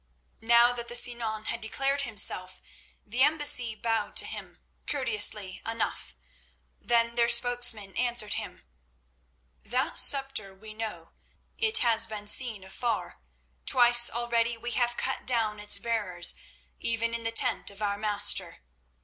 Now that Sinan had declared himself the embassy bowed to him, courteously enough. Then their spokesman answered him. "That sceptre we know; it has been seen afar. Twice already we have cut down its bearers even in the tent of our master.